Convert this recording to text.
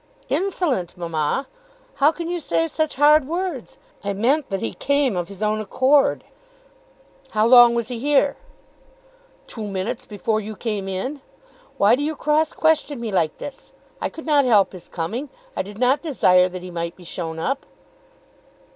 "Insolent, mamma! How can you say such hard words? I meant that he came of his own accord." "How long was he here?" "Two minutes before you came in. Why do you cross question me like this? I could not help his coming. I did not desire that he might be shown up."